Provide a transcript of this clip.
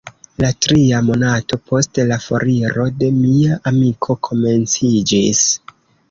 La tria monato post la foriro de mia amiko komenciĝis.